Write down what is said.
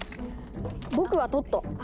僕はトット。